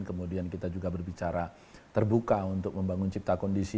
kemudian kita juga berbicara terbuka untuk membangun cipta kondisi